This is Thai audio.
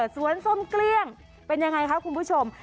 ส้มเกลี้ยงเป็นยังไงคะคุณผู้ชม